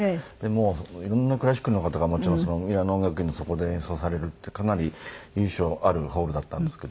もういろんなクラシックの方がもちろんそのミラノ音楽院のそこで演奏されるってかなり由緒あるホールだったんですけど。